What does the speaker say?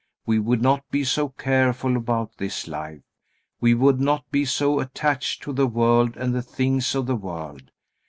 We would not be so careful about this life. We would not be so attached to the world and the things of the world.